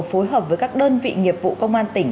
phối hợp với các đơn vị nghiệp vụ công an tỉnh